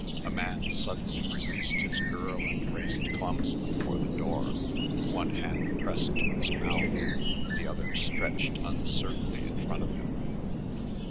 A man suddenly released his girl and raced clumsily for the door, one hand pressed to his mouth, the other stretched uncertainly in front of him.